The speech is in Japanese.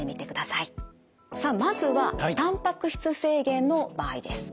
さあまずはたんぱく質制限の場合です。